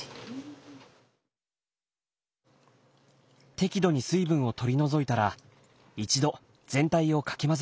適度に水分を取り除いたら一度全体をかき混ぜます。